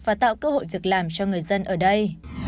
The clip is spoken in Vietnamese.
và tạo cơ hội việc làm cho người dân ở đây